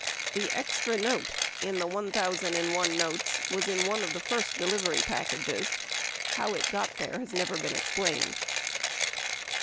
The extra note, in the 1,001 notes was in one of the first delivery packages. How it got there has never been explained.